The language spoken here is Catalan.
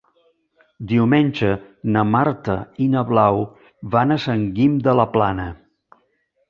Diumenge na Marta i na Blau van a Sant Guim de la Plana.